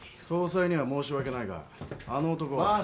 総裁には申し訳ないがあの男は。